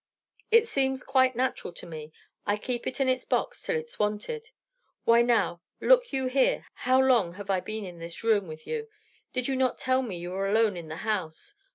It seems quite natural to me; I keep it in its box till it's wanted. Why now, look you here, how long have I been in this room with you? Did you not tell me you were alone in the house?